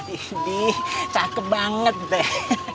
ini cakep banget deh